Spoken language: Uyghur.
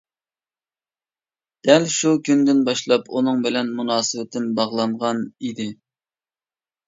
دەل شۇ كۈندىن باشلاپ، ئۇنىڭ بىلەن مۇناسىۋىتىم باغلانغان ئىدى.